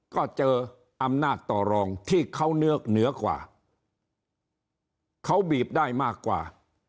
ก็เจออำนาจต่อรองที่เขาเหนือกว่าเขาบีบได้มากกว่า